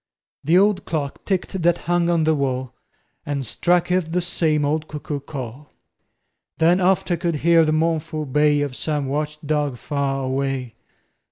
The old clock ticked that hung on the wall And struck 'th the same old cuckoo call; Then oft I could hear the mournful bay Of some watch dog far away.